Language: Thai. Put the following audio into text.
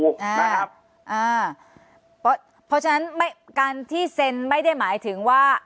นะครับอ่าเพราะฉะนั้นไม่การที่เซนไม่ได้หมายถึงว่า